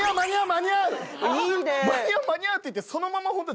「間に合う間に合う！」って言ってそのまま本当